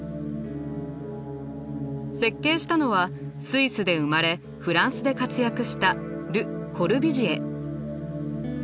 設計したのはスイスで生まれフランスで活躍したル・コルビュジエ。